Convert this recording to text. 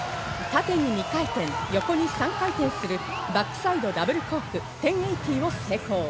縦に２回転、横に３回転するバックサイドダブルコーク１０８０を成功。